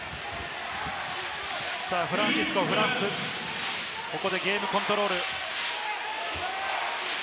フランシスコはフランス、ここでゲームコントロール。